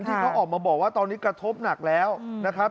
ที่เขาออกมาบอกว่าตอนนี้กระทบหนักแล้วนะครับ